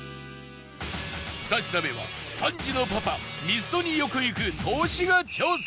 ２品目は３児のパパミスドによく行くトシが挑戦